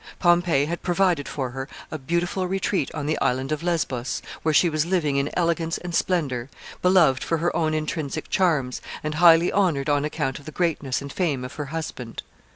Pompey had provided for her a beautiful retreat on the island of Lesbos, where she was living in elegance and splendor, beloved for her own intrinsic charms, and highly honored on account of the greatness and fame of her husband.